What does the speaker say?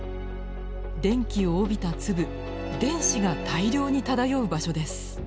電気を帯びた粒電子が大量に漂う場所です。